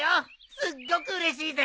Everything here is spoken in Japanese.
すっごくうれしいぜ。